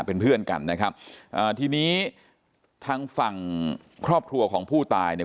เป็นเพื่อนกันนะครับอ่าทีนี้ทางฝั่งครอบครัวของผู้ตายเนี่ย